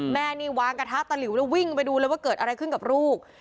แม่นี่วางกระทะตะหลิวแล้ววิ่งไปดูเลยว่าเกิดอะไรขึ้นกับลูก